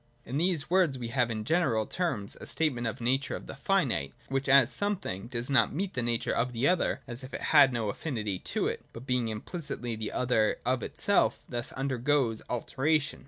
In these words we have in general terms a statement of the nature of the finite, which, as some thing, does not meet the nature of the other as if it had no affinity to it, but, being implicitly the other of itself, thus undergoes alteration.